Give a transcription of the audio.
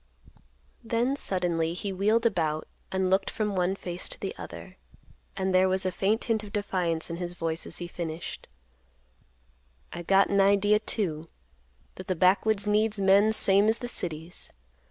Then suddenly he wheeled about and looked from one face to the other; and there was a faint hint of defiance in his voice, as he finished; "I got an idea, too, that the backwoods needs men same as the cities.